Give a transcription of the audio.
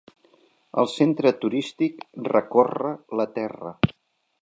El centre turístic recorre la terra.